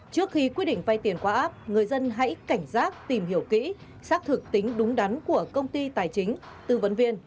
trước khi quyết định vay tiền qua app người dân hãy cảnh giác tìm hiểu kỹ xác thực tính đúng đắn của công ty tài chính tư vấn viên